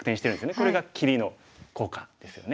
これが切りの効果ですよね。